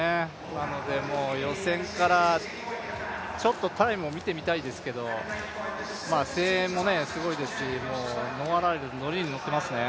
なので予選からタイムを見てみたいですけれども、声援もすごいですしノア・ライルズ、乗りに乗っていますね。